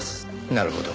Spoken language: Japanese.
なるほど。